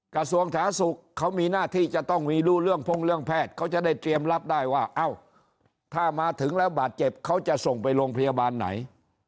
กระทรวงสาธารณสุขเขามีหน้าที่จะต้องมีรู้เรื่องพ่งเรื่องแพทย์เขาจะได้เตรียมรับได้ว่าเอ้าถ้ามาถึงแล้วบาดเจ็บเขาจะส่งไปโรงพยาบาลไหน